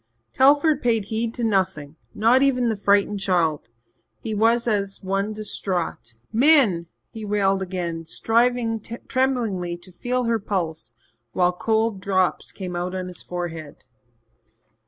Telford paid heed to nothing, not even the frightened child. He was as one distraught. "Min," he wailed again, striving tremblingly to feel her pulse while cold drops came out on his forehead.